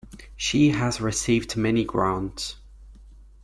She has received many grants.